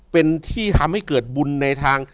เป็นที่ทำให้เกิดบุญในทาง